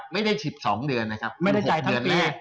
ไม่ได้๑๒เดือนนะครับไม่ได้จ่ายทั้งปี